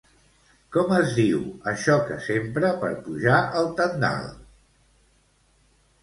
Com es diu això que s'empra per pujar el tendal?